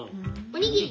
おにぎり。